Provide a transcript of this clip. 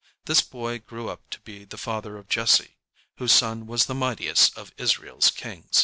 This boy grew up to be the father of Jesse, whose son was the mightiest of Israel's kings.